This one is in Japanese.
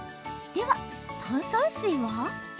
では炭酸水は？